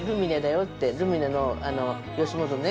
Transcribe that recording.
ルミネの吉本のね